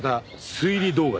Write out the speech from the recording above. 推理動画？